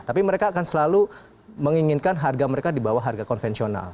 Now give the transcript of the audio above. tapi mereka akan selalu menginginkan harga mereka di bawah harga konvensional